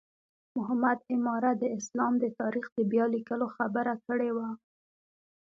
محمد عماره د اسلام د تاریخ د بیا لیکلو خبره کړې وه.